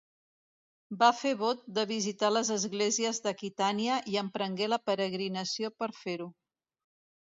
Va fer vot de visitar les esglésies d'Aquitània i emprengué la peregrinació per fer-ho.